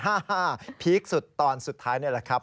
ฮ่าพีคสุดตอนสุดท้ายนี่แหละครับ